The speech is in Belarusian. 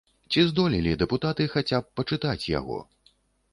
Ці здолелі дэпутаты хаця б пачытаць яго?